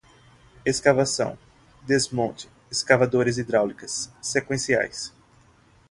escavação, desmonte, escavadoras hidráulicas, sequenciais